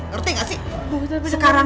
minta pulang dari zaman awal